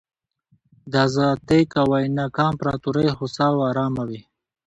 د ازتېک او اینکا امپراتورۍ هوسا او ارامه وې.